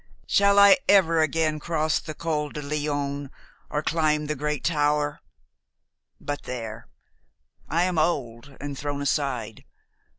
Shall I ever again cross the Col du Lion or climb the Great Tower? But there! I am old, and thrown aside.